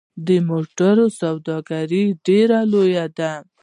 د موټرو سوداګري ډیره لویه ده